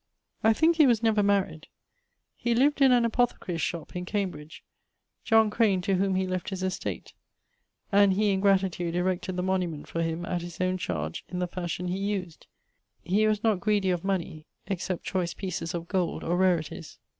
I thinke he was never maried. He lived in an apothecary's shop, in Cambridge, Crane, to whom he left his estate; and he in gratitude erected the monument for him, at his owne chardge, in the fashion he used. He was not greedy of money, except choice pieces of gold or rarities.